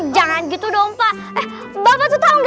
jangan gitu dong pak